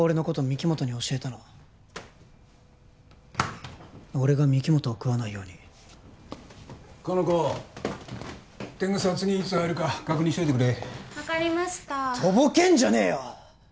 御木本に教えたのは俺が御木本を喰わないようにかの子天草は次いつ入るか確認しといてくれ分かりましたとぼけんじゃねえよ！